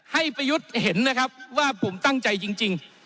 ประยุทธ์เห็นนะครับว่าผมตั้งใจจริง